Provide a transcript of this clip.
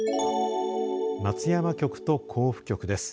松山局と甲府局です。